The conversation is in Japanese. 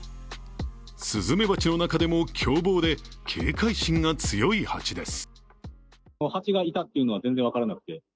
スズメバチの中でも凶暴で警戒心が強いハチです。